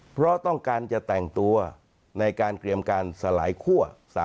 เพราะต้องการจะแต่งตัวในการเตรียมการสลายคั่ว